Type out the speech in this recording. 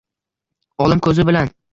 Olim ko’zi bilan